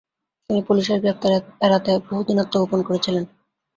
তিনি পুলিসের গ্রেপ্তার এড়াতে বহুদিন আত্মগোপন করে ছিলেন।